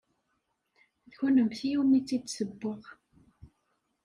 D kennemti umi tt-id-ssewweɣ.